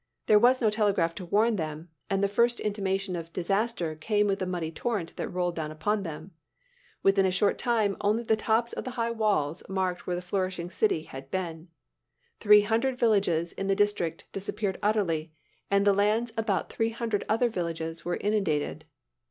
There was no telegraph to warn them, and the first intimation of disaster came with the muddy torrent that rolled down upon them. Within a short time only the tops of the high walls marked where a flourishing city had been. Three hundred villages in the district disappeared utterly, and the lands about three hundred other villages were inundated.